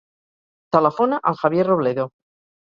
Telefona al Javier Robledo.